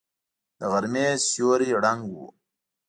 د غرمې سیوری ړنګ و.